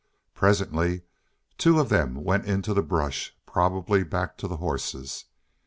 Presently two of them went into the brush, probably back to the horses.